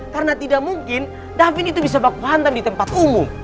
karena tidak mungkin david itu bisa baku hantam di tempat umum